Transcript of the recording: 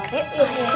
yuk ini ambil dulu